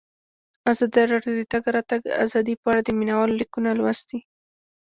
ازادي راډیو د د تګ راتګ ازادي په اړه د مینه والو لیکونه لوستي.